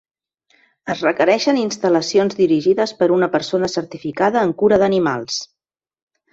Es requereixen instal·lacions dirigides per una persona certificada en cura d'animals.